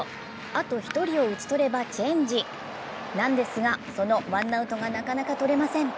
あと１人を打ち取ればチェンジなんですが、そのワンアウトがなかなか取れません。